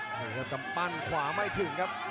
เลี่ยงตำปั้นขวาไม่ถึงครับ